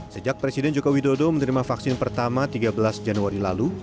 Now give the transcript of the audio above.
sejak presiden joko widodo menerima vaksin pertama tiga belas januari lalu